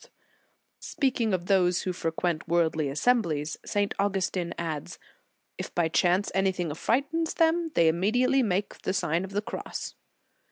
1 88 The Sign of the Cross Speaking of those who frequent worldly assemblies, St. Augustin adds : "If, by chance, anything affright them, they immediately make the Sign of the Cross."